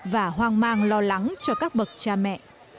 và hoang mang lo lắng cho các bậc cha mẹ